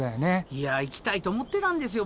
いや行きたいと思ってたんですよ